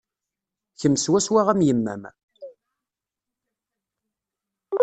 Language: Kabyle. Kemm swaswa am yemma-m.